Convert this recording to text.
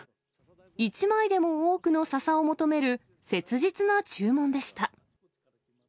一枚でも多くの笹を求める、切実な注文でした。